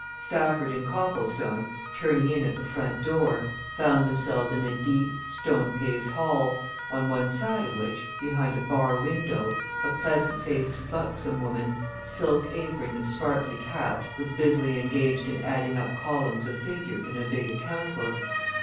Stafford and Copplestone, turning in at the front door, found themselves in a deep, stone paved hall, on one side of which, behind a bar window, a pleasant faced, buxom woman, silk aproned and smartly capped, was busily engaged in adding up columns of figures in a big account book.